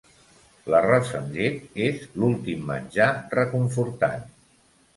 L'arròs amb llet és l'últim menjar reconfortant.